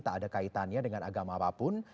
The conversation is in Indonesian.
tak ada kaitannya dengan agama apapun